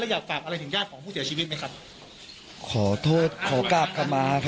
แล้วก็ได้คุยกับนายวิรพันธ์สามีของผู้ตายที่ว่าโดนกระสุนเฉียวริมฝีปากไปนะคะ